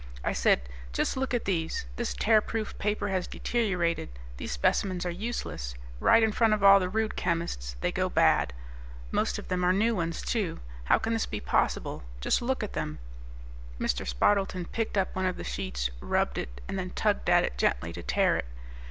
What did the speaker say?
I said, "Just look at these. This 'Tearproof Paper' has deteriorated. These specimens are useless. Right in front of all the Rude chemists, they go bad. Most of them are new ones, too. How can this be possible? Just look at them." Mr. Spardleton picked up one of the sheets, rubbed it, and then tugged at it gently to tear it.